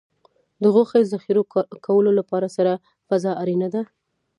د غوښې ذخیره کولو لپاره سړه فضا اړینه ده.